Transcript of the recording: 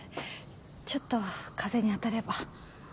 ちょっと風に当たれば。